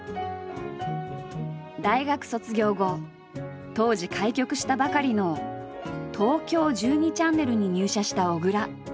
大学卒業後当時開局したばかりの東京１２チャンネルに入社した小倉。